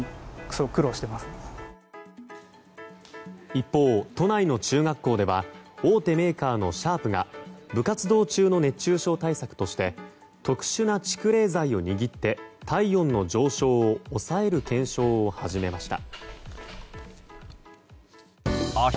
一方、都内の中学校では大手メーカーのシャープが部活動中の熱中症対策として特殊な畜冷材を握って体温の上昇を抑える検証を始めました。